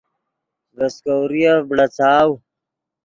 ڤے سیکوریف بڑاڅاؤ